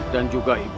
dan juga ibu